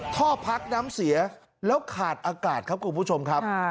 ท่อพักน้ำเสียแล้วขาดอากาศครับคุณผู้ชมครับ